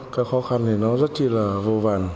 các khó khăn thì nó rất chi là vô vàn